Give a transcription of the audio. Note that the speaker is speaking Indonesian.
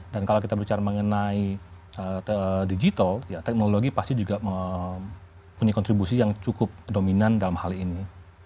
dan kalau kita berbicara mengenai digital teknologi pasti juga mempunyai kontribusi yang cukup dominan dalam hal ini